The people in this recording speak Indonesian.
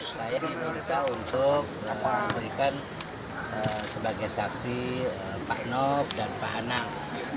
saya diminta untuk memberikan sebagai saksi pak nob dan pak anang